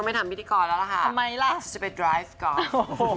ไม่ติดกฎดรายฟ์ก่อน